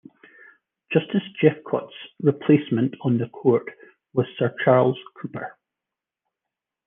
Justice Jeffcott's replacement on the Court was Sir Charles Cooper.